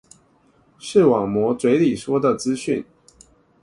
視網膜嘴裡說的資訊